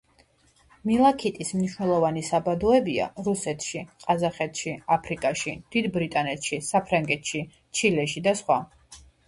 მალაქიტის მნიშვნელოვანი საბადოებია რუსეთში, ყაზახეთში, აფრიკაში, დიდ ბრიტანეთში, საფრანგეთში, ჩილეში და სხვა.